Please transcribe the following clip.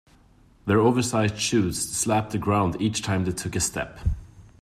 Their oversized shoes slapped the ground each time they took a step.